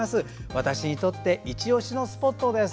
私にとっていちオシのスポットです。